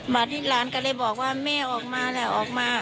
หลานก็เลยบอกว่าแม่ออกมาแหละออกมา